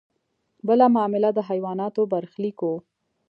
بله معامله د حیواناتو برخلیک و.